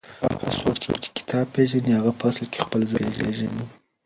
هغه څوک چې کتاب پېژني هغه په اصل کې خپل ځان پېژني.